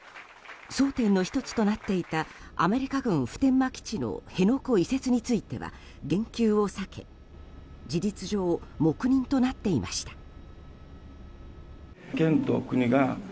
争点の１つとなっていたアメリカ軍普天間基地の辺野古移設については言及を避け事実上、黙認となっていました。